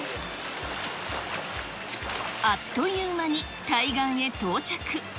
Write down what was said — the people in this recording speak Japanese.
あっという間に、対岸へ到着。